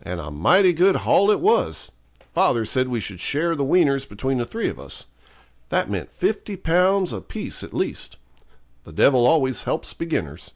And a mighty good haul it was. Father said we should share the weaners between the three of us; that meant 50 Pounds a piece at least. The devil always helps beginners.